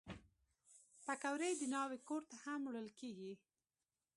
پکورې د ناوې کور ته هم وړل کېږي